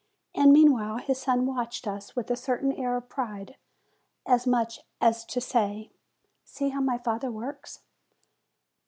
And meanwhile his son watched us with a certain air of pride, as much as to say, "See how my father works